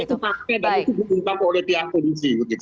betul mereka pakai tapi itu ditutup oleh pihak politik begitu